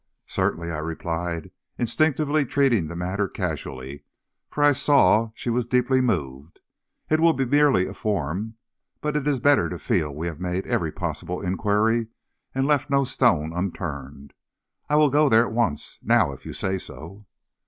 "Certainly," I replied, instinctively treating the matter casually, for I saw she was deeply moved. "It will be merely a form, but it is better to feel we have made every possible inquiry and left no stone unturned. I will go there at once, now, if you say so."